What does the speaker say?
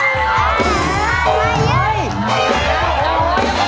ผ่านมาเยอะ